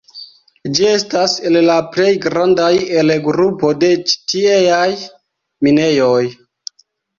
Ĝi estas el la plej grandaj el grupo de ĉi tieaj minejoj.